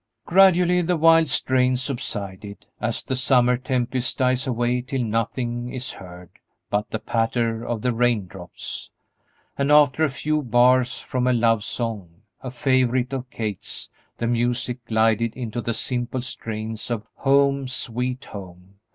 Gradually the wild strains subsided, as the summer tempest dies away till nothing is heard but the patter of the rain drops, and, after a few bars from a love song, a favorite of Kate's, the music glided into the simple strains of "Home, Sweet Home."